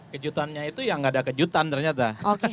kejutannya itu ya nggak ada kejutan ternyata